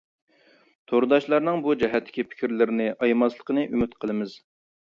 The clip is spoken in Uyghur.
تورداشلارنىڭ بۇ جەھەتتىكى پىكىرلىرىنى ئايىماسلىقىنى ئۈمىد قىلىمىز.